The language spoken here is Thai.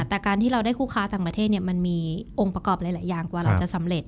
แต่การที่เราได้คู่ค้าต่างประเทศมันมีองค์ประกอบหลายอย่างกว่าเราจะสำเร็จ